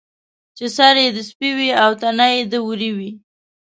چې سر یې د سپي وي او تنه یې د وري وي.